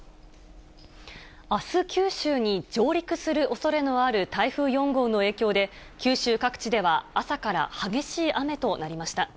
あす九州に上陸するおそれのある台風４号の影響で、九州各地では朝から激しい雨となりました。